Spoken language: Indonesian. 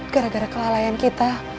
gara gara kelalaian kita